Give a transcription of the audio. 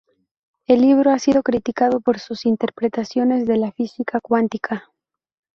El libro ha sido criticado por sus interpretaciones de la física cuántica.